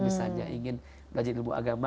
misalnya ingin belajar ilmu agama